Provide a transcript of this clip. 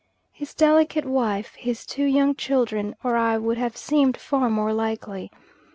His delicate wife, his two young children or I would have seemed far more likely.